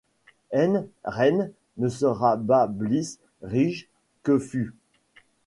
Eine reine ne sera bas blis rige que fus.